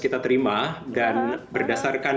kita terima dan berdasarkan